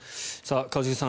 一茂さん